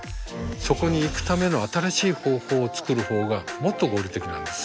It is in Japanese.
そこに行くための新しい方法を作る方がもっと合理的なんです。